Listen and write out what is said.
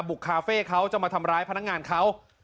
คาเฟ่เขาจะมาทำร้ายพนักงานเขา